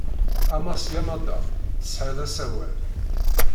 A Mass Yamada, tesɛiḍ asawal.